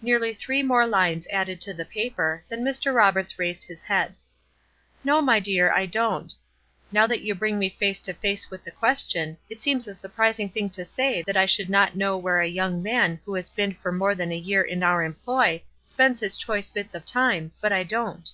Nearly three more lines added to the paper; then Mr. Roberts raised his head: "No, my dear, I don't. Now that you bring me face to face with the question, it seems a surprising thing to say that I should not know where a young man who has been for more than a year in our employ spends his choice bits of time, but I don't."